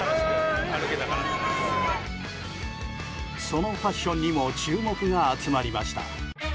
そのファッションにも注目が集まりました。